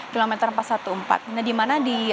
kilometer empat ratus empat belas nah dimana di